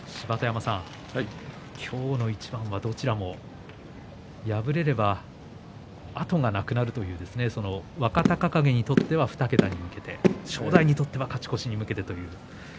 今日の一番どちらにとっても敗れれば後がなくなるという若隆景にとっては２桁に向けて正代にとっては勝ち越しに向けて。